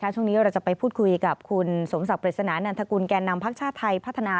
ช่วงนี้เราจะไปพูดคุยกับคุณสมศักดิ์ปริศนานันทกุลแก่นำพักชาติไทยพัฒนา